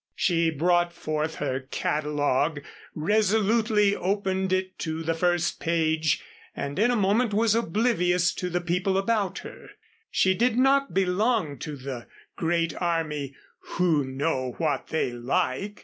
She brought forth her catalogue, resolutely opened it to the first page and in a moment was oblivious to the people about her. She did not belong to the great army "who know what they like."